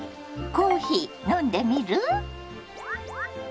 コーヒー飲んでみる？